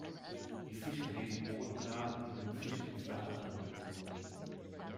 Die Fische leben bodennah, die Jungfische in flacheren Regionen.